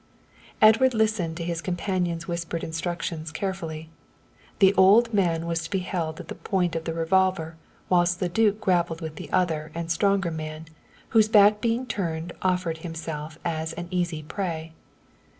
Edward listened to his companion's whispered instructions carefully. The little old man was to be held at the point of the revolver whilst the duke grappled with the other and stronger man, whose back being turned offered himself as an easy prey.